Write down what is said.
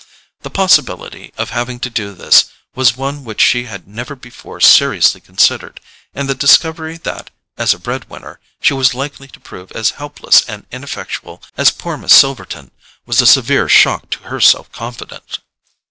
The possibility of having to do this was one which she had never before seriously considered, and the discovery that, as a bread winner, she was likely to prove as helpless and ineffectual as poor Miss Silverton, was a severe shock to her self confidence.